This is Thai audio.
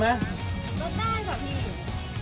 รถได้ส่วนดี